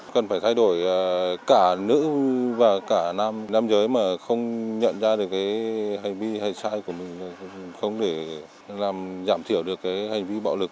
cần phải thay đổi cả nữ và cả nam nam giới mà không nhận ra được cái hành vi hay sai của mình không để làm giảm thiểu được cái hành vi bạo lực